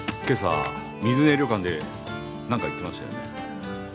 今朝水根旅館で何か言ってましたよね。